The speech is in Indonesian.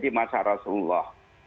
jadi masa rasulullah